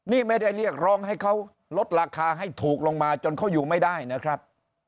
นี่ไม่ได้เรียกร้องให้เขาลดราคาให้ถูกลงมาจนเขาอยู่ไม่ได้นะครับ